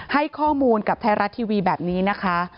ให้ข้อมูลกับไทยรัฐทีวีแบบนี้นะคะ